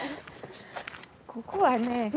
ここはね